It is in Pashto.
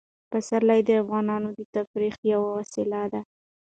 پسرلی د افغانانو د تفریح یوه وسیله ده.